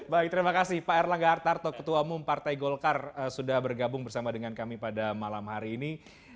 baik terima kasih pak erlangga hartarto ketua umum partai golkar sudah bergabung bersama dengan kami pada malam hari ini